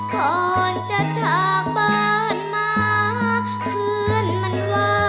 ก่อนจะจากบ้านมาเพื่อนมันว่า